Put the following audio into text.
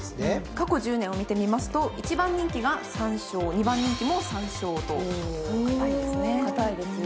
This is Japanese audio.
過去１０年を見てみますと１番人気が３勝２番人気も３勝と堅いですね。